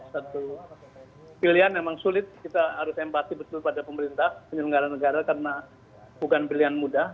satu pilihan memang sulit kita harus empati betul pada pemerintah penyelenggara negara karena bukan pilihan mudah